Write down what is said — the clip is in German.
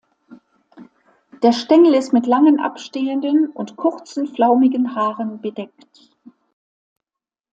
Der Stängel ist mit langen abstehenden und kurzen flaumigen Haaren bedeckt.